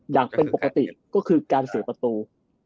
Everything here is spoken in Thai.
อย่างเป็นปกติก็คือการเสียประตู